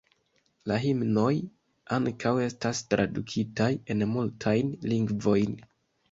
La himnoj ankaŭ estas tradukitaj en multajn lingvojn.